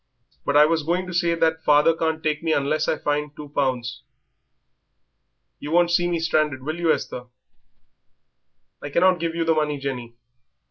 But I was going to say that father can't take me unless I finds two pounds. You won't see me stranded, will you, Esther?" "I cannot give you the money, Jenny.